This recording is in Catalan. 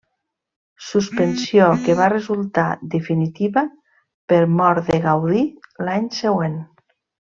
Suspensió que va resultar definitiva per mort de Gaudí l'any següent.